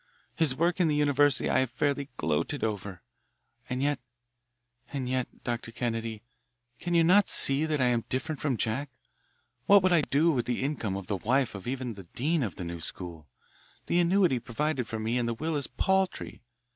His work in the university I have fairly gloated over. And yet and yet, Dr. Kennedy, can you not see that I am different from Jack? What would I do with the income of the wife of even the dean of the new school? The annuity provided for me in that will is paltry.